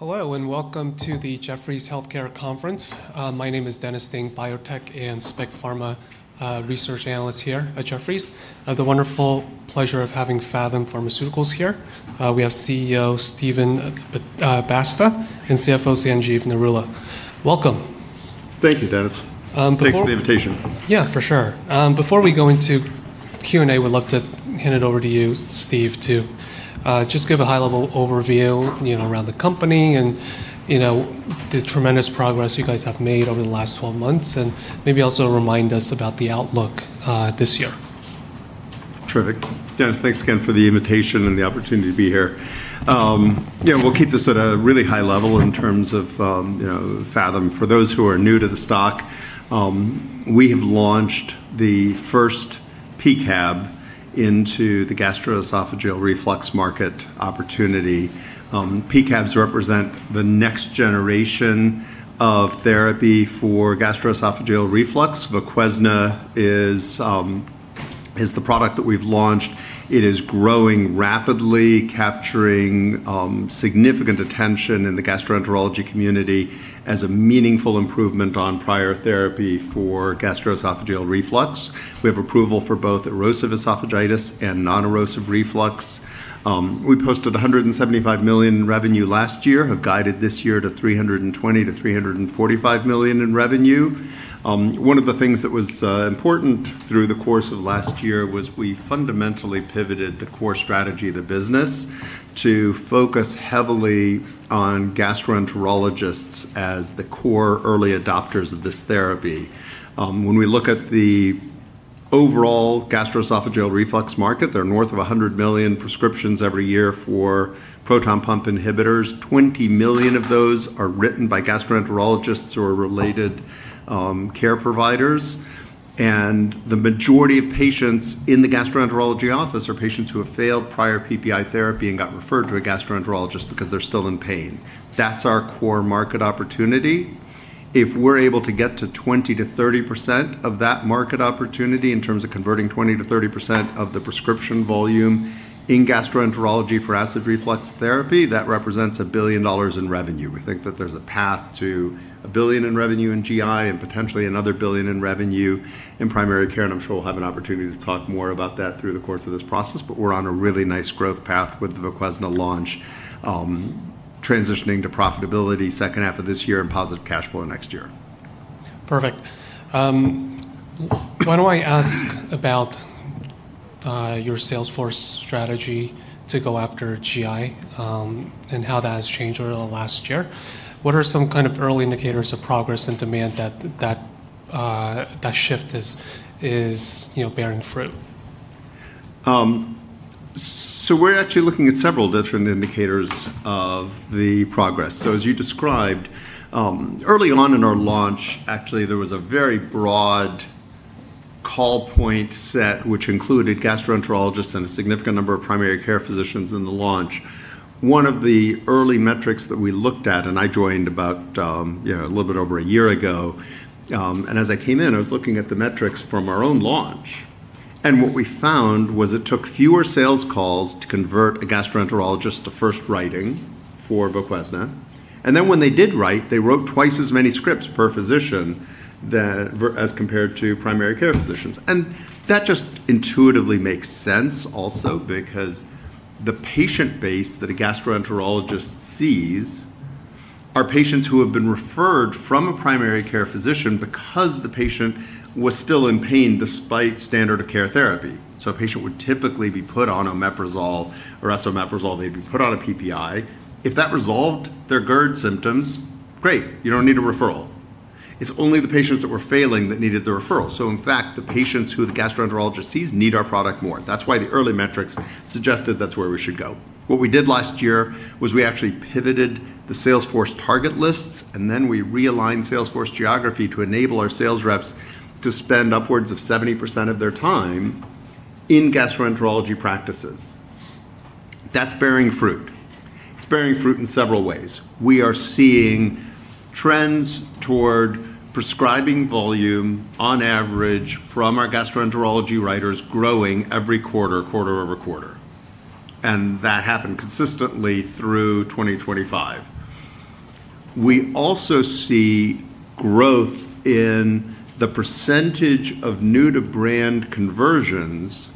Hello, and welcome to the Jefferies Healthcare Conference. My name is Dennis Ding, biotech and spec pharma research analyst here at Jefferies. I have the wonderful pleasure of having Phathom Pharmaceuticals here. We have CEO Steven Basta and CFO Sanjeev Narula. Welcome. Thank you, Dennis. Thanks for the invitation. Yeah, for sure. Before we go into Q&A, would love to hand it over to you, Steve, to just give a high-level overview around the company and the tremendous progress you guys have made over the last 12 months, and maybe also remind us about the outlook this year. Terrific. Dennis, thanks again for the invitation and the opportunity to be here. We'll keep this at a really high level in terms of Phathom. For those who are new to the stock, we have launched the first PCAB into the gastroesophageal reflux market opportunity. PCABs represent the next generation of therapy for gastroesophageal reflux. VOQUEZNA is the product that we've launched. It is growing rapidly, capturing significant attention in the gastroenterology community as a meaningful improvement on prior therapy for gastroesophageal reflux. We have approval for both erosive esophagitis and non-erosive reflux. We posted $175 million in revenue last year, have guided this year to $320 million-$345 million in revenue. One of the things that was important through the course of last year was we fundamentally pivoted the core strategy of the business to focus heavily on gastroenterologists as the core early adopters of this therapy. When we look at the overall gastroesophageal reflux market, there are north of 100 million prescriptions every year for proton pump inhibitors. 20 million of those are written by gastroenterologists or related care providers, and the majority of patients in the gastroenterology office are patients who have failed prior PPI therapy and got referred to a gastroenterologist because they're still in pain. That's our core market opportunity. If we're able to get to 20%-30% of that market opportunity in terms of converting 20%-30% of the prescription volume in gastroenterology for acid reflux therapy, that represents a $1 billion in revenue. We think that there's a path to $1 billion in revenue in GI and potentially another $1 billion in revenue in primary care, and I'm sure we'll have an opportunity to talk more about that through the course of this process, but we're on a really nice growth path with the VOQUEZNA launch, transitioning to profitability second half of this year and positive cash flow next year. Perfect. Why don't I ask about your sales force strategy to go after GI, and how that has changed over the last year. What are some kind of early indicators of progress and demand that that shift is bearing fruit? We're actually looking at several different indicators of the progress. As you described, early on in our launch, actually, there was a very broad call point set, which included gastroenterologists and a significant number of primary care physicians in the launch. One of the early metrics that we looked at, and I joined about a little bit over a year ago, and as I came in, I was looking at the metrics from our own launch, and what we found was it took fewer sales calls to convert a gastroenterologist to first writing for VOQUEZNA. When they did write, they wrote twice as many scripts per physician as compared to primary care physicians. That just intuitively makes sense also because the patient base that a gastroenterologist sees are patients who have been referred from a primary care physician because the patient was still in pain despite standard of care therapy. A patient would typically be put on omeprazole or esomeprazole. They'd be put on a PPI. If that resolved their GERD symptoms, great. You don't need a referral. It's only the patients that were failing that needed the referral. In fact, the patients who the gastroenterologist sees need our product more. That's why the early metrics suggested that's where we should go. What we did last year was we actually pivoted the sales force target lists, and then we realigned sales force geography to enable our sales reps to spend upwards of 70% of their time in gastroenterology practices. That's bearing fruit. It's bearing fruit in several ways. We are seeing trends toward prescribing volume on average from our gastroenterology writers growing every quarter-over-quarter. That happened consistently through 2025. We also see growth in the percentage of new-to-brand conversions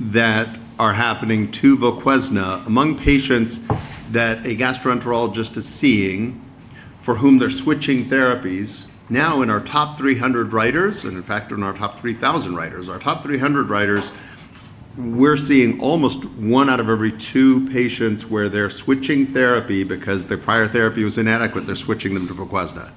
that are happening to VOQUEZNA among patients that a gastroenterologist is seeing for whom they're switching therapies. Now in our top 300 writers, and in fact in our top 3,000 writers, our top 300 writers, we're seeing almost one out of every two patients where they're switching therapy because their prior therapy was inadequate. They're switching them to VOQUEZNA.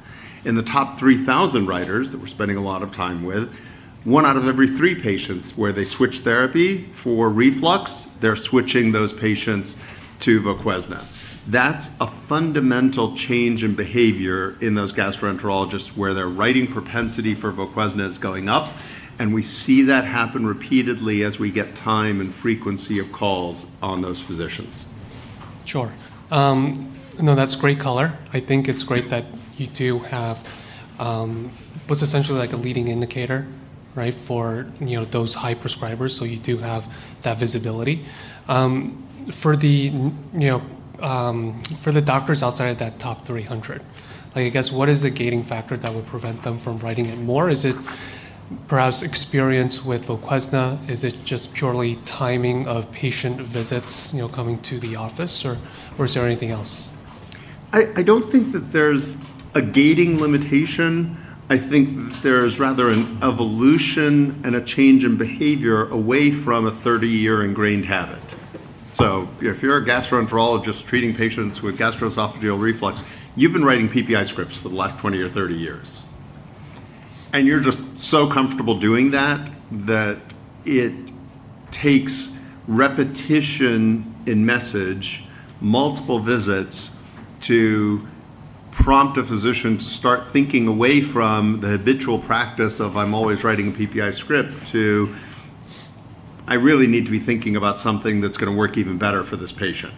In the top 3,000 writers that we're spending a lot of time with, one out of every three patients where they switch therapy for reflux, they're switching those patients to VOQUEZNA. That's a fundamental change in behavior in those gastroenterologists, where their writing propensity for VOQUEZNA is going up, and we see that happen repeatedly as we get time and frequency of calls on those physicians. Sure. That's great color. I think it's great that you do have, what's essentially a leading indicator, right, for those high prescribers, so you do have that visibility. For the doctors outside of that top 300, I guess, what is the gating factor that would prevent them from writing it more? Is it perhaps experience with VOQUEZNA? Is it just purely timing of patient visits, coming to the office, or is there anything else? I don't think that there's a gating limitation. I think there's rather an evolution and a change in behavior away from a 30-year ingrained habit. If you're a gastroenterologist treating patients with gastroesophageal reflux, you've been writing PPI scripts for the last 20 or 30 years. You're just so comfortable doing that it takes repetition in message, multiple visits, to prompt a physician to start thinking away from the habitual practice of, "I'm always writing a PPI script" to, "I really need to be thinking about something that's going to work even better for this patient.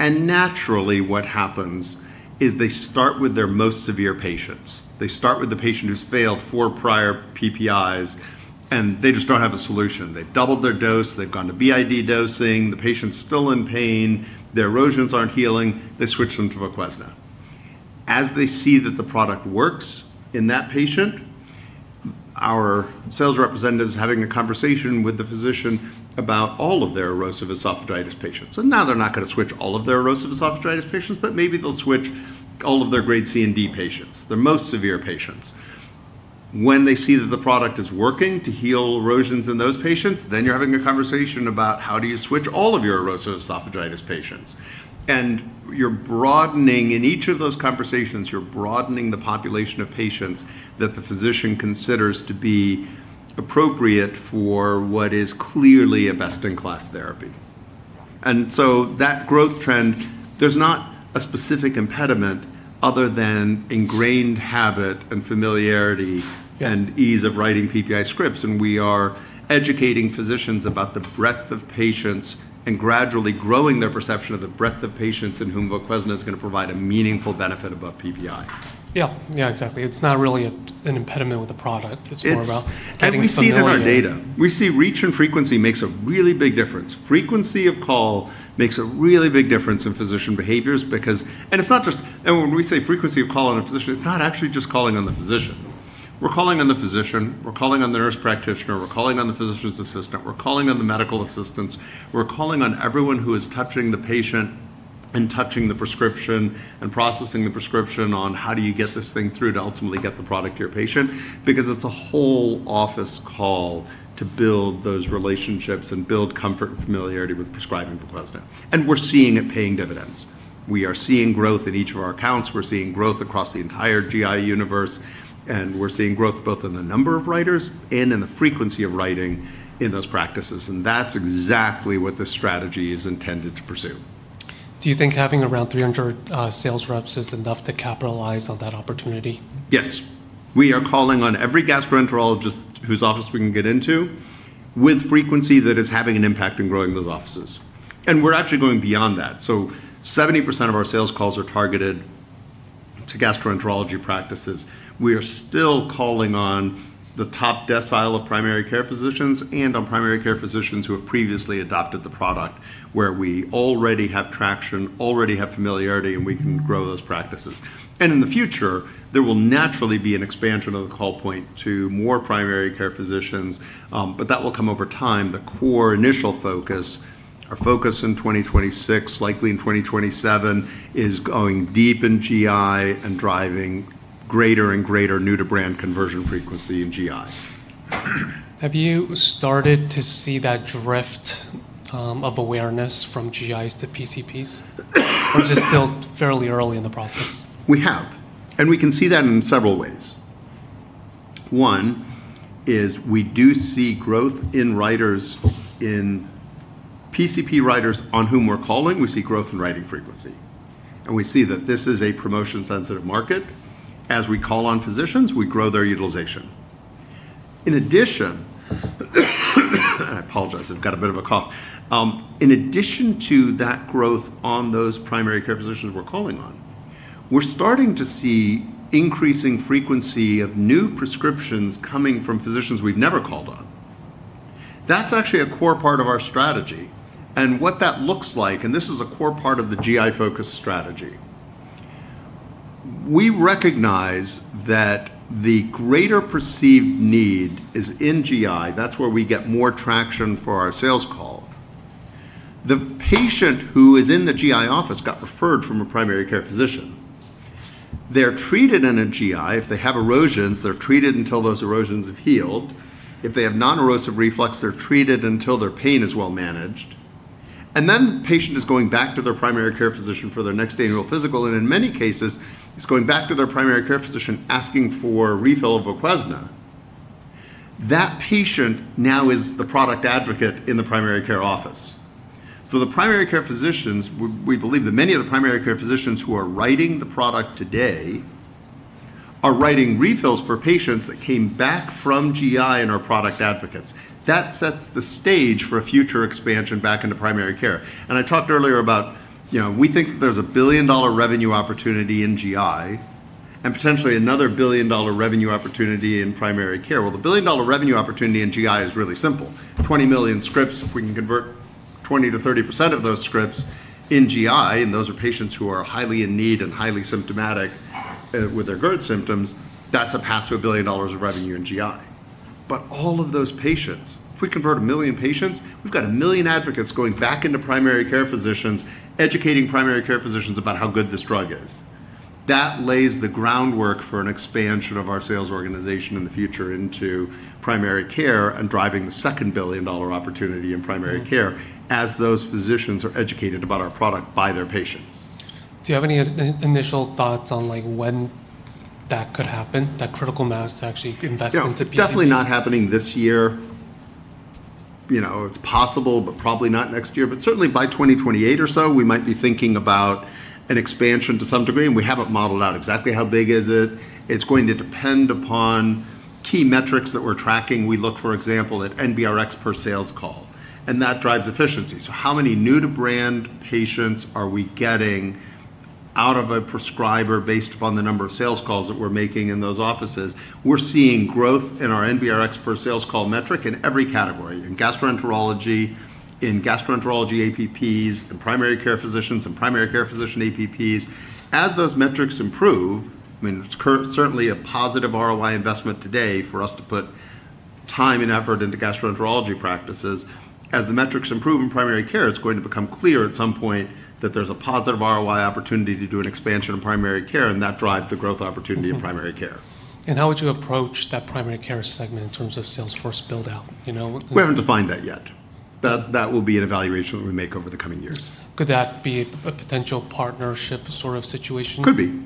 Naturally, what happens is they start with their most severe patients. They start with the patient who's failed four prior PPIs, and they just don't have a solution. They've doubled their dose. They've gone to BID dosing. The patient's still in pain. Their erosions aren't healing. They switch them to VOQUEZNA. As they see that the product works in that patient, our sales representative's having a conversation with the physician about all of their erosive esophagitis patients. Now they're not going to switch all of their erosive esophagitis patients, but maybe they'll switch all of their Grade C and D patients, their most severe patients. When they see that the product is working to heal erosions in those patients, then you're having a conversation about how do you switch all of your erosive esophagitis patients. In each of those conversations, you're broadening the population of patients that the physician considers to be appropriate for what is clearly a best-in-class therapy. That growth trend, there's not a specific impediment other than ingrained habit and familiarity and ease of writing PPI scripts, and we are educating physicians about the breadth of patients and gradually growing their perception of the breadth of patients in whom VOQUEZNA is going to provide a meaningful benefit above PPI. Yeah, exactly. It's not really an impediment with the product. It's more about getting familiar. We see it in our data. We see reach and frequency makes a really big difference. Frequency of call makes a really big difference in physician behaviors. When we say frequency of calling a physician, it's not actually just calling on the physician. We're calling on the physician, we're calling on the nurse practitioner, we're calling on the physician assistant, we're calling on the medical assistants. We're calling on everyone who is touching the patient and touching the prescription and processing the prescription on how do you get this thing through to ultimately get the product to your patient. It's a whole office call to build those relationships and build comfort and familiarity with prescribing VOQUEZNA. We're seeing it paying dividends. We are seeing growth in each of our accounts. We're seeing growth across the entire GI universe. We're seeing growth both in the number of writers and in the frequency of writing in those practices. That's exactly what the strategy is intended to pursue. Do you think having around 300 sales reps is enough to capitalize on that opportunity? Yes. We are calling on every gastroenterologist whose office we can get into, with frequency that is having an impact in growing those offices. We're actually going beyond that. 70% of our sales calls are targeted to gastroenterology practices. We are still calling on the top decile of primary care physicians and on primary care physicians who have previously adopted the product, where we already have traction, already have familiarity, and we can grow those practices. In the future, there will naturally be an expansion of the call point to more primary care physicians, but that will come over time. The core initial focus, our focus in 2026, likely in 2027, is going deep in GI and driving greater and greater new-to-brand conversion frequency in GI. Have you started to see that drift of awareness from GIs to PCPs? Is it still fairly early in the process? We have. We can see them in several ways. One, is we do see growth in PCP writers on whom we're calling. We see growth in writing frequency. We see that this is a promotion-sensitive market. As we call on physicians, we grow their utilization. In addition, I apologize, I've got a bit of a cough. In addition to that growth on those primary care physicians we're calling on, we're starting to see increasing frequency of new prescriptions coming from physicians we've never called on. That's actually a core part of our strategy and what that looks like, and this is a core part of the GI focus strategy. We recognize that the greater perceived need is in GI. That's where we get more traction for our sales call. The patient who is in the GI office got referred from a primary care physician. They're treated in a GI. If they have erosions, they're treated until those erosions have healed. If they have non-erosive reflux, they're treated until their pain is well managed. The patient is going back to their primary care physician for their next annual physical, and in many cases, is going back to their primary care physician asking for a refill of VOQUEZNA. That patient now is the product advocate in the primary care office. The primary care physicians, we believe that many of the primary care physicians who are writing the product today are writing refills for patients that came back from GI and are product advocates. That sets the stage for a future expansion back into primary care. I talked earlier about, we think that there's a billion-dollar revenue opportunity in GI and potentially another billion-dollar revenue opportunity in primary care. Well, the billion-dollar revenue opportunity in GI is really simple. 20 million scripts, if we can convert 20%-30% of those scripts in GI, and those are patients who are highly in need and highly symptomatic with their GERD symptoms, that's a path to a billion-dollar of revenue in GI. All of those patients, if we convert 1 million patients, we've got 1 million advocates going back into primary care physicians, educating primary care physicians about how good this drug is. That lays the groundwork for an expansion of our sales organization in the future into primary care and driving the second billion-dollar opportunity in primary care as those physicians are educated about our product by their patients. Do you have any initial thoughts on when that could happen, that critical mass to actually invest into? It's definitely not happening this year. It's possible, but probably not next year. Certainly, by 2028 or so, we might be thinking about an expansion to some degree, and we haven't modeled out exactly how big is it. It's going to depend upon key metrics that we're tracking. We look, for example, at NBRX per sales call, and that drives efficiency. How many new-to-brand patients are we getting out of a prescriber based upon the number of sales calls that we're making in those offices? We're seeing growth in our NBRX per sales call metric in every category, in gastroenterology, in gastroenterology APPs, in primary care physicians, and primary care physician APPs. As those metrics improve, it's certainly a positive ROI investment today for us to put time and effort into gastroenterology practices. As the metrics improve in primary care, it's going to become clear at some point that there's a positive ROI opportunity to do an expansion of primary care, and that drives the growth opportunity in primary care. How would you approach that primary care segment in terms of sales force build-out? We haven't defined that yet. That will be an evaluation that we make over the coming years. Could that be a potential partnership sort of situation? Could be.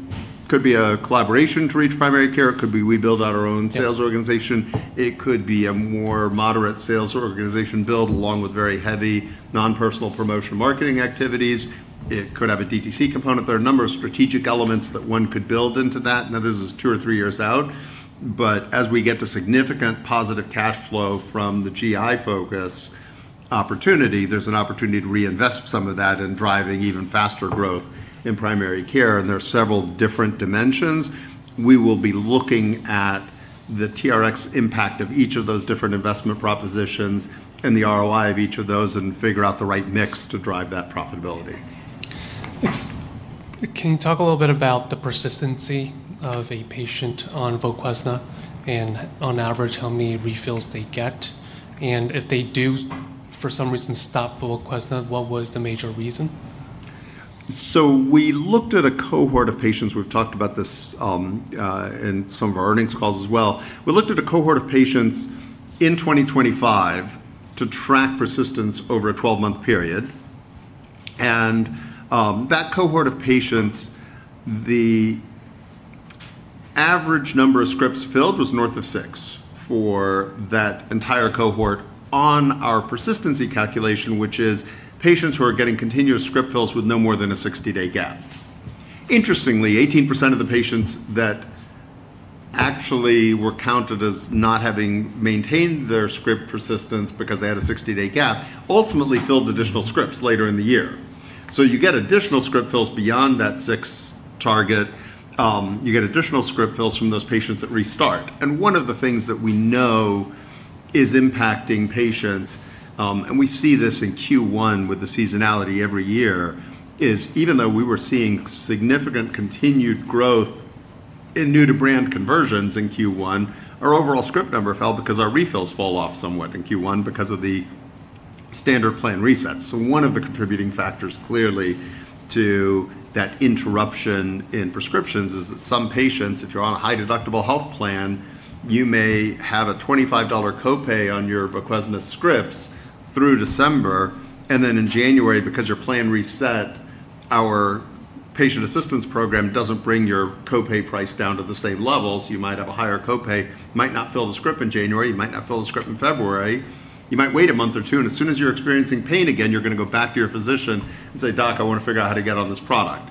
Could be a collaboration to reach primary care, could be we build out our own sales organization. It could be a more moderate sales organization build along with very heavy non-personal promotion marketing activities. It could have a DTC component. There are a number of strategic elements that one could build into that. Now, this is two or three years out, but as we get to significant positive cash flow from the GI focus opportunity, there's an opportunity to reinvest some of that in driving even faster growth in primary care. There are several different dimensions. We will be looking at the TRX impact of each of those different investment propositions and the ROI of each of those and figure out the right mix to drive that profitability. Can you talk a little bit about the persistency of a patient on VOQUEZNA, and on average, how many refills they get? If they do, for some reason, stop VOQUEZNA, what was the major reason? We looked at a cohort of patients. We've talked about this in some of our earnings calls as well. We looked at a cohort of patients in 2025 to track persistence over a 12-month period. That cohort of patients, the average number of scripts filled was north of six for that entire cohort on our persistency calculation, which is patients who are getting continuous script fills with no more than a 60-day gap. Interestingly, 18% of the patients that actually were counted as not having maintained their script persistence because they had a 60-day gap ultimately filled additional scripts later in the year. You get additional script fills beyond that six target. You get additional script fills from those patients that restart. One of the things that we know is impacting patients, and we see this in Q1 with the seasonality every year, is even though we were seeing significant continued growth in new-to-brand conversions in Q1, our overall script number fell because our refills fall off somewhat in Q1 because of the standard plan resets. One of the contributing factors, clearly, to that interruption in prescriptions is that some patients, if you're on a high-deductible health plan, you may have a $25 copay on your VOQUEZNA scripts through December, and then in January, because your plan reset, our patient assistance program doesn't bring your copay price down to the same levels. You might have a higher copay, might not fill the script in January, you might not fill the script in February. You might wait a month or two. As soon as you're experiencing pain again, you're going to go back to your physician and say, "Doc, I want to figure out how to get on this product."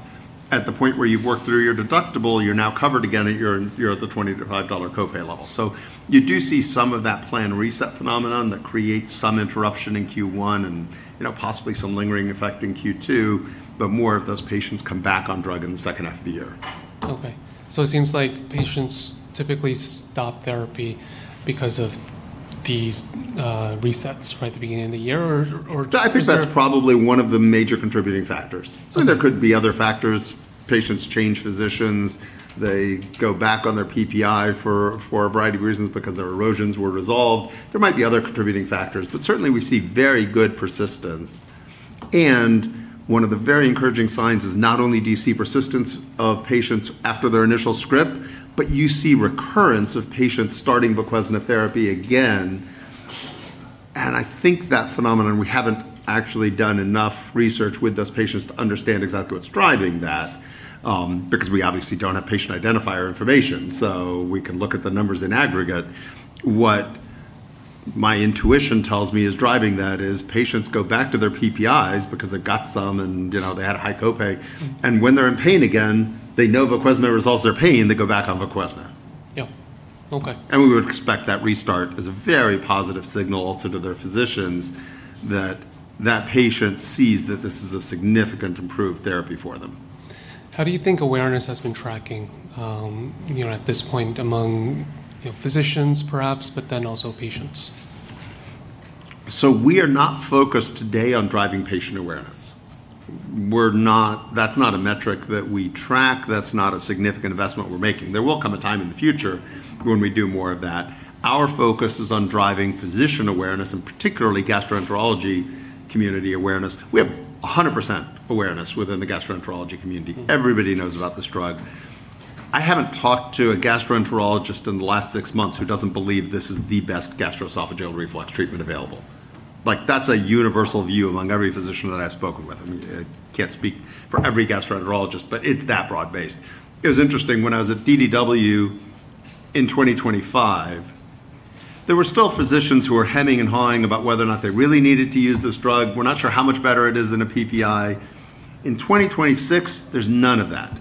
At the point where you've worked through your deductible, you're now covered again at the $25 copay level. You do see some of that plan reset phenomenon that creates some interruption in Q1 and possibly some lingering effect in Q2. More of those patients come back on drug in the second half of the year. Okay. It seems like patients typically stop therapy because of these resets right at the beginning of the year. I think that's probably one of the major contributing factors. There could be other factors. Patients change physicians, they go back on their PPI for a variety of reasons because their erosions were resolved. There might be other contributing factors, but certainly, we see very good persistence. One of the very encouraging signs is not only do you see persistence of patients after their initial script, but you see recurrence of patients starting VOQUEZNA therapy again. I think that phenomenon, we haven't actually done enough research with those patients to understand exactly what's driving that because we obviously don't have patient identifier information. We can look at the numbers in aggregate. What my intuition tells me is driving that is patients go back to their PPIs because they got some and they had a high copay. When they're in pain again, they know VOQUEZNA resolves their pain, they go back on VOQUEZNA. Yeah. Okay. We would expect that restart is a very positive signal also to their physicians that that patient sees that this is a significant improved therapy for them. How do you think awareness has been tracking at this point among physicians, perhaps, but then also patients? We are not focused today on driving patient awareness. That's not a metric that we track. That's not a significant investment we're making. There will come a time in the future when we do more of that. Our focus is on driving physician awareness and particularly gastroenterology community awareness. We have 100% awareness within the gastroenterology community. Everybody knows about this drug. I haven't talked to a gastroenterologist in the last six months who doesn't believe this is the best gastroesophageal reflux treatment available. That's a universal view among every physician that I've spoken with. I can't speak for every gastroenterologist, but it's that broad-based. It was interesting when I was at DDW in 2025, there were still physicians who were hemming and hawing about whether or not they really needed to use this drug. We're not sure how much better it is than a PPI. In 2026, there's none of that.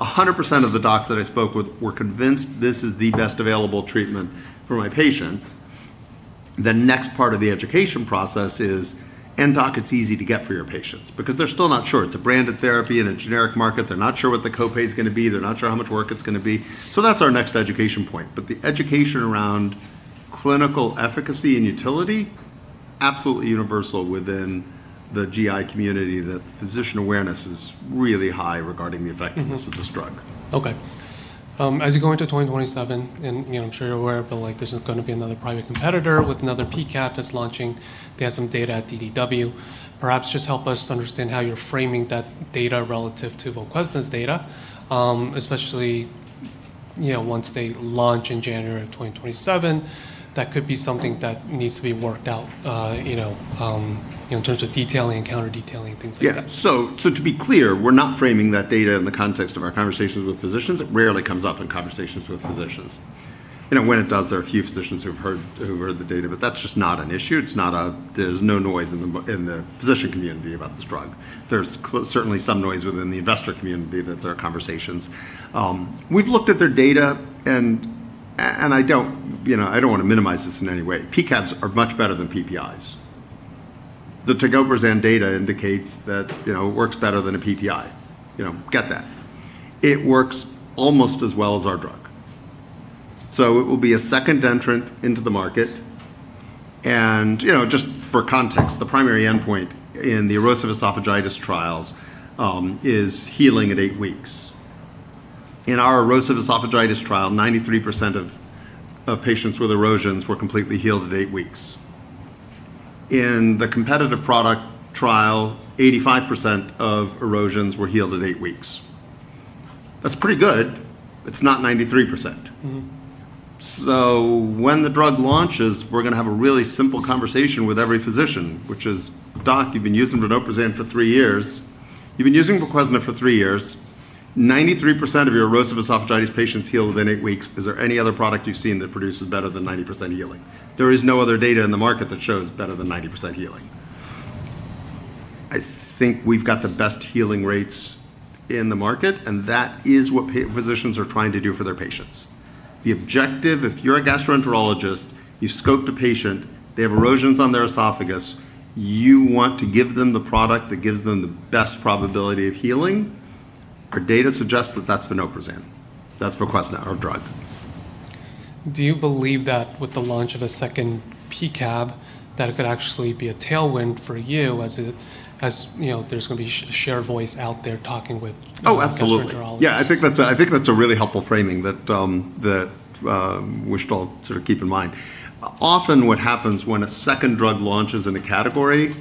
100% of the docs that I spoke with were convinced this is the best available treatment for my patients. The next part of the education process is, "Doc, it's easy to get for your patients," because they're still not sure. It's a branded therapy in a generic market. They're not sure what the copay is going to be. They're not sure how much work it's going to be. That's our next education point. The education around clinical efficacy and utility, absolutely universal within the GI community that physician awareness is really high regarding the effectiveness of this drug. As you go into 2027, and I'm sure you're aware, but there's going to be another private competitor with another PCAB that's launching. They had some data at DDW. Perhaps just help us understand how you're framing that data relative to VOQUEZNA's data, especially once they launch in January of 2027. That could be something that needs to be worked out, in terms of detailing and counter-detailing, things like that. Yeah. To be clear, we're not framing that data in the context of our conversations with physicians. It rarely comes up in conversations with physicians. When it does, there are a few physicians who have heard the data, but that's just not an issue. There's no noise in the physician community about this drug. There's certainly some noise within the investor community that there are conversations. We've looked at their data. I don't want to minimize this in any way. PCABs are much better than PPIs. The tegoprazan data indicates that it works better than a PPI. Get that. It works almost as well as our drug. It will be a second entrant into the market, and just for context, the primary endpoint in the erosive esophagitis trials is healing at eight weeks. In our erosive esophagitis trial, 93% of patients with erosions were completely healed at eight weeks. In the competitive product trial, 85% of erosions were healed at eight weeks. That's pretty good. It's not 93%. When the drug launches, we're going to have a really simple conversation with every physician, which is, "Doc, you've been using vonoprazan for three years. You've been using VOQUEZNA for three years. 93% of your erosive esophagitis patients heal within eight weeks. Is there any other product you've seen that produces better than 90% healing?" There is no other data in the market that shows better than 90% healing. I think we've got the best healing rates in the market, and that is what physicians are trying to do for their patients. The objective, if you're a gastroenterologist, you've scoped a patient, they have erosions on their esophagus, you want to give them the product that gives them the best probability of healing. Our data suggests that that's vonoprazan. That's VOQUEZNA. Our drug. Do you believe that with the launch of a second PCAB, that it could actually be a tailwind for you as there's going to be a shared voice out there talking with gastroenterologists? Absolutely. Yeah, I think that's a really helpful framing that we should all sort of keep in mind. Often what happens when a second drug launches in a category,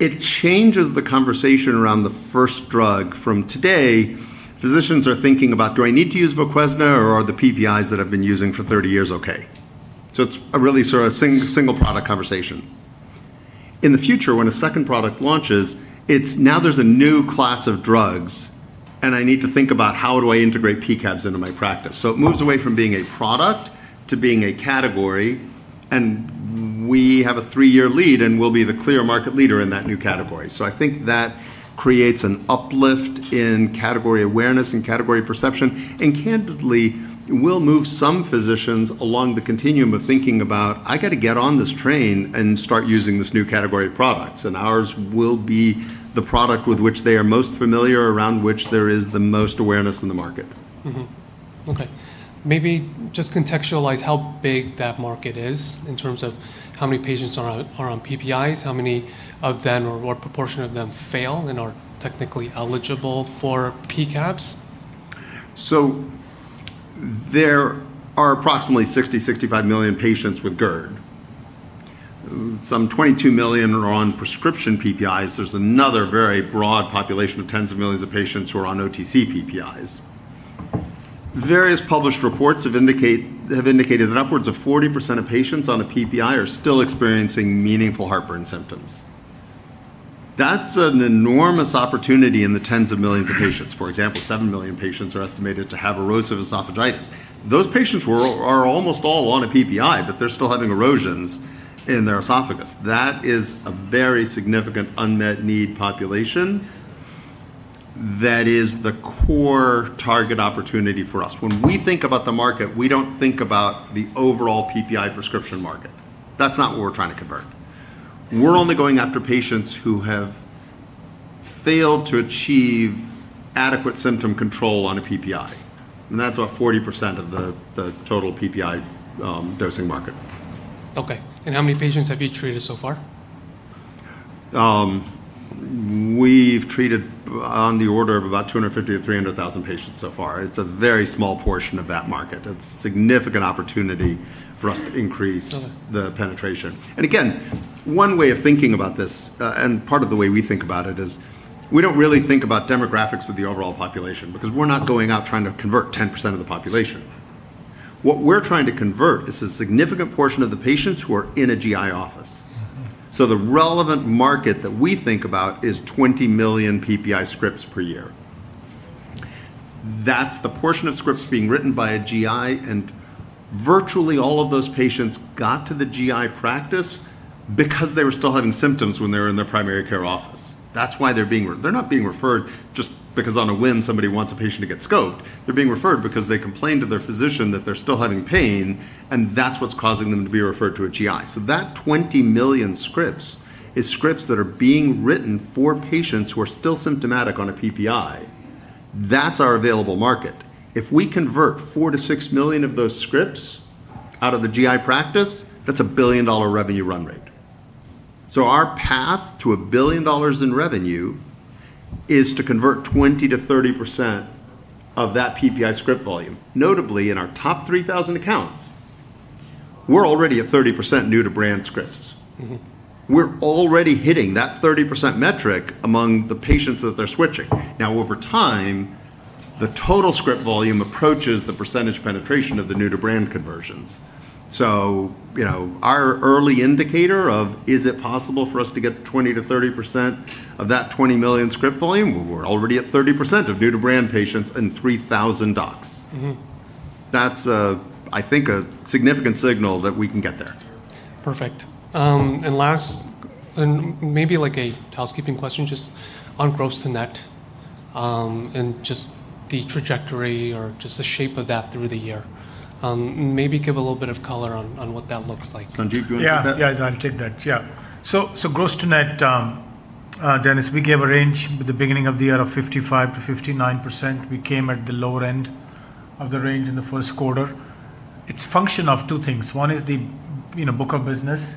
it changes the conversation around the first drug. From today, physicians are thinking about, "Do I need to use VOQUEZNA, or are the PPIs that I've been using for 30 years okay?" It's really sort of a single product conversation. In the future, when a second product launches, it's now there's a new class of drugs, and I need to think about how do I integrate PCABs into my practice. It moves away from being a product to being a category, and we have a three-year lead and we'll be the clear market leader in that new category. I think that creates an uplift in category awareness and category perception, and candidly, will move some physicians along the continuum of thinking about, "I got to get on this train and start using this new category of products." Ours will be the product with which they are most familiar, around which there is the most awareness in the market. Okay. Maybe just contextualize how big that market is in terms of how many patients are on PPIs, how many of them or what proportion of them fail and are technically eligible for PCABs? There are approximately 60-65 million patients with GERD. Some 22 million are on prescription PPIs. There's another very broad population of tens of millions of patients who are on OTC PPIs. Various published reports have indicated that upwards of 40% of patients on a PPI are still experiencing meaningful heartburn symptoms. That's an enormous opportunity in the tens of millions of patients. For example, 7 million patients are estimated to have erosive esophagitis. Those patients are almost all on a PPI, but they're still having erosions in their esophagus. That is a very significant unmet need population. That is the core target opportunity for us. When we think about the market, we don't think about the overall PPI prescription market. That's not what we're trying to convert. We're only going after patients who have failed to achieve adequate symptom control on a PPI, and that's about 40% of the total PPI dosing market. Okay, how many patients have you treated so far? We've treated on the order of about 250,000-300,000 patients so far. It's a very small portion of that market. It's a significant opportunity for us to increase the penetration. Again, one way of thinking about this, and part of the way we think about it, is we don't really think about demographics of the overall population, because we're not going out trying to convert 10% of the population. What we're trying to convert is a significant portion of the patients who are in a GI office. The relevant market that we think about is 20 million PPI scripts per year. That's the portion of scripts being written by a GI, and virtually all of those patients got to the GI practice because they were still having symptoms when they were in their primary care office. That's why they're being referred. They're not being referred just because on a whim somebody wants a patient to get scoped. They're being referred because they complained to their physician that they're still having pain, and that's what's causing them to be referred to a GI. That 20 million scripts is scripts that are being written for patients who are still symptomatic on a PPI. That's our available market. If we convert 4-6 million of those scripts out of the GI practice, that's a billion-dollar revenue run rate. Our path to $1 billion in revenue is to convert 20%-30% of that PPI script volume. Notably, in our top 3,000 accounts, we're already at 30% new-to-brand scripts. We're already hitting that 30% metric among the patients that they're switching. Over time, the total script volume approaches the % penetration of the new-to-brand conversions. Our early indicator of, is it possible for us to get 20%-30% of that 20 million script volume? We're already at 30% of new-to-brand patients in 3,000 docs. That's, I think, a significant signal that we can get there. Perfect. Last, and maybe like a housekeeping question, just on gross to net, and just the trajectory or just the shape of that through the year. Maybe give a little bit of color on what that looks like. Sanjeev, do you want to take that? Yeah. I'll take that. Gross to net, Dennis, we gave a range at the beginning of the year of 55%-59%. We came at the lower end of the range in the first quarter. It's a function of two things. One is the book of business,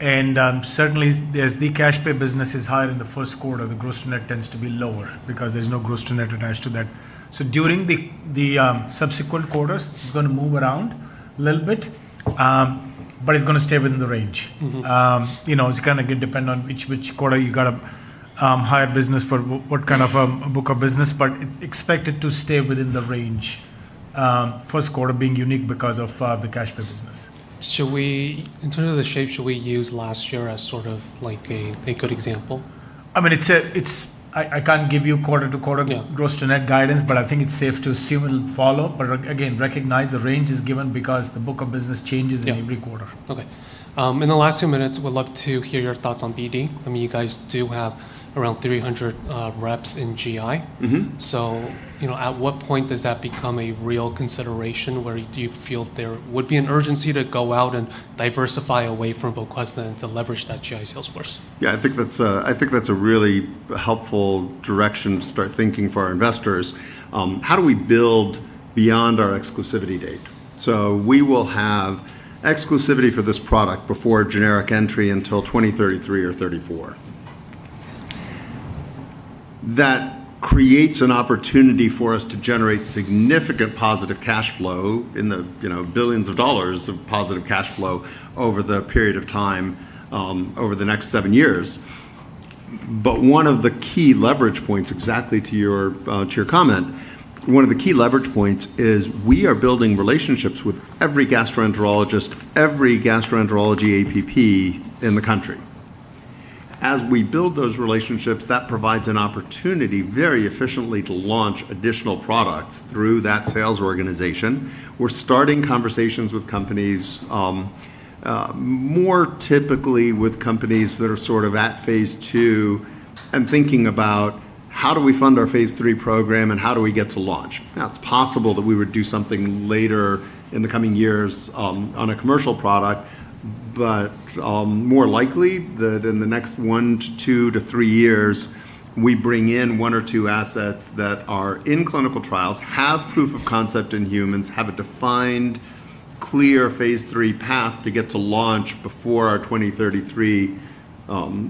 and certainly as the cash pay business is higher in the first quarter, the gross to net tends to be lower because there's no gross to net attached to that. During the subsequent quarters, it's going to move around a little bit, but it's going to stay within the range. It's going to depend on which quarter you've got a higher business for what kind of a book of business. Expect it to stay within the range, first quarter being unique because of the cash pay business. Should we, in terms of the shape, should we use last year as sort of a good example? I can't give you quarter-to-quarter gross to net guidance, but I think it's safe to assume it'll follow. Again, recognize the range is given because the book of business changes in every quarter. Okay. In the last two minutes, would love to hear your thoughts on BD. You guys do have around 300 reps in GI. At what point does that become a real consideration? Where do you feel there would be an urgency to go out and diversify away from VOQUEZNA to leverage that GI sales force? Yeah, I think that's a really helpful direction to start thinking for our investors. How do we build beyond our exclusivity date? We will have exclusivity for this product before generic entry until 2033 or 2034. That creates an opportunity for us to generate significant positive cash flow in the billions of dollars of positive cash flow over the period of time over the next seven years. One of the key leverage points, exactly to your comment, is we are building relationships with every gastroenterologist, every gastroenterology APP in the country. As we build those relationships, that provides an opportunity very efficiently to launch additional products through that sales organization. We're starting conversations with companies, more typically with companies that are sort of at phase II and thinking about, how do we fund our phase III program and how do we get to launch? Now, it's possible that we would do something later in the coming years on a commercial product, but more likely that in the next one to two to three years, we bring in one or two assets that are in clinical trials, have proof of concept in humans, have a defined clear phase III path to get to launch before our 2033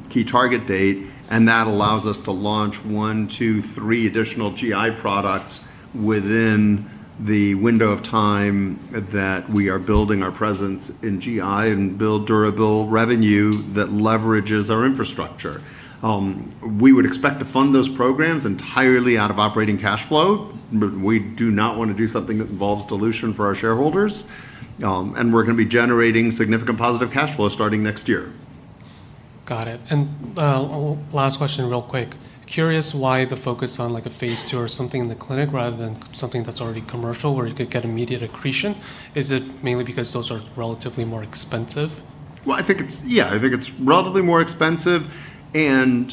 key target date, and that allows us to launch one, two, three additional GI products within the window of time that we are building our presence in GI and build durable revenue that leverages our infrastructure. We would expect to fund those programs entirely out of operating cash flow. We do not want to do something that involves dilution for our shareholders. We're going to be generating significant positive cash flow starting next year. Got it. Last question real quick. Curious why the focus on a phase II or something in the clinic rather than something that's already commercial where you could get immediate accretion. Is it mainly because those are relatively more expensive? Well, I think it's relatively more expensive, and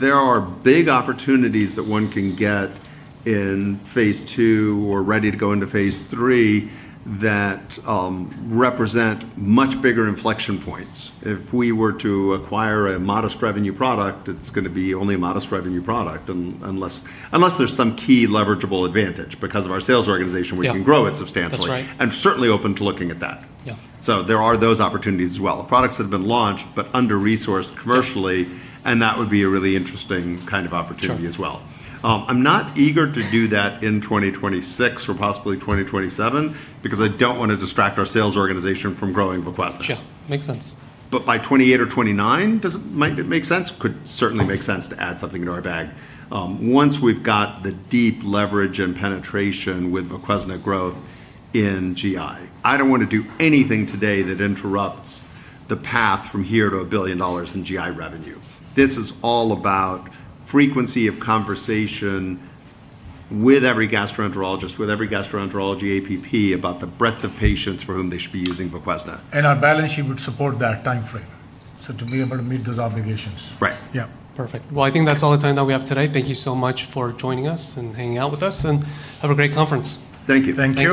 there are big opportunities that one can get in phase II or ready to go into phase III that represent much bigger inflection points. If we were to acquire a modest revenue product, it's going to be only a modest revenue product, unless there's some key leverageable advantage because of our sales organization we can grow it substantially. That's right. I'm certainly open to looking at that. Yeah. There are those opportunities as well. Products that have been launched but under-resourced commercially, and that would be a really interesting kind of opportunity as well. I'm not eager to do that in 2026 or possibly 2027 because I don't want to distract our sales organization from growing VOQUEZNA. Sure. Makes sense. By 2028 or 2029, does it make sense? Could certainly make sense to add something to our bag. Once we've got the deep leverage and penetration with VOQUEZNA growth in GI. I don't want to do anything today that interrupts the path from here to a $1 billion in GI revenue. This is all about frequency of conversation with every gastroenterologist, with every gastroenterology APP about the breadth of patients for whom they should be using VOQUEZNA. Our balance sheet would support that timeframe, so to be able to meet those obligations. Right. Yeah. Perfect. Well, I think that's all the time that we have today. Thank you so much for joining us and hanging out with us. Have a great conference. Thank you. Thank you.